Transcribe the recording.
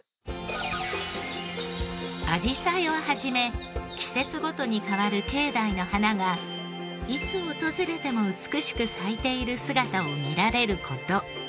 あじさいを始め季節ごとに変わる境内の花がいつ訪れても美しく咲いている姿を見られる事。